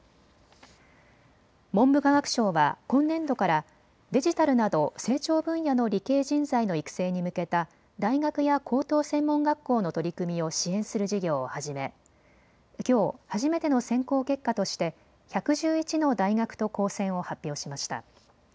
文部科学省は今年度からデジタルなど成長分野の理系人材の育成に向けた大学や高等専門学校の取り組みを支援する事業を始めきょう初めての選考結果として１１１の大学と高専を発表しました。